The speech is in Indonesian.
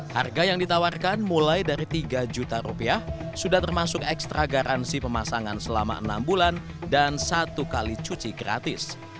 harga yang ditawarkan mulai dari tiga juta rupiah sudah termasuk ekstra garansi pemasangan selama enam bulan dan satu kali cuci gratis